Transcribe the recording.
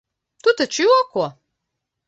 Tu taču joko?